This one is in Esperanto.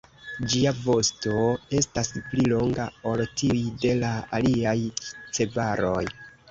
Ĝia vosto estas pli longa ol tiuj de la aliaj cervoj.